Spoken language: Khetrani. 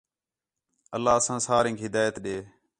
اللہ اساں سارینک ہدایت ݙے